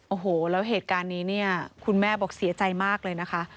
โอ้โหแล้วเหตุการณ์นี้เนี่ยคุณแม่บอกเสียใจมากเลยนะคะ